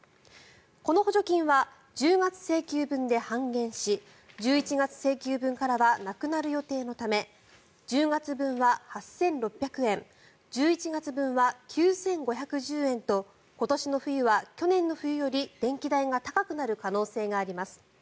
この補助金は１０月請求分で半減し１１月請求分からはなくなる予定のため１０月分は８６００円１１月分は９５１０円と今年の冬は去年の冬より電気代が高くなる可能性があります。